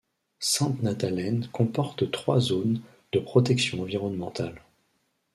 Sainte-Nathalène comporte trois zones de protection environnementale.